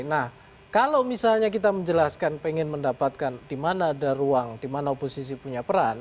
nah kalau misalnya kita menjelaskan pengen mendapatkan di mana ada ruang di mana oposisi punya peran